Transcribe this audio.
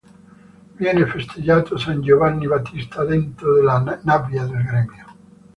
Viene festeggiato San Giovanni Battista detto "della Nebbia" dal gremio.